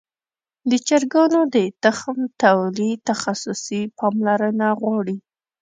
د چرګانو د تخم تولید تخصصي پاملرنه غواړي.